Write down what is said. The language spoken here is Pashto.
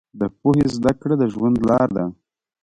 د پوهې زده کړه د ژوند لار ده.